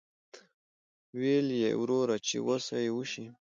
ویل یې وروره چې وسه یې وشي.